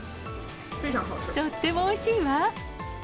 とってもおいしいわ。